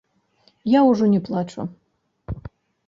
Я ўжо не плачу.